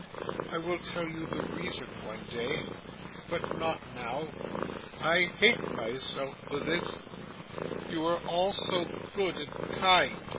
'I will tell you the reason one day, but not now. I hate myself for this; you are all so good and kind.